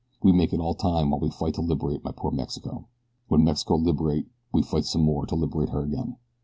We make it all time while we fight to liberate my poor Mexico. When Mexico liberate we fight some more to liberate her again.